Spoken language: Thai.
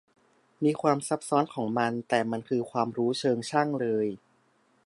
มีความซับซ้อนของมัน แต่มันคือความรู้เชิงช่างเลย